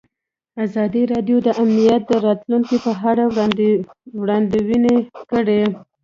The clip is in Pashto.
ازادي راډیو د امنیت د راتلونکې په اړه وړاندوینې کړې.